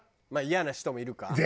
まあイヤな人もいるか。